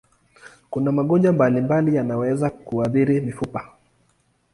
Kuna magonjwa mbalimbali yanayoweza kuathiri mifupa.